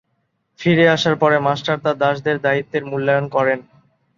ফিরে আসার পরে, মাস্টার তার দাসদের দায়িত্বের মূল্যায়ন করেন।